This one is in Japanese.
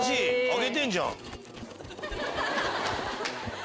あげてんじゃん。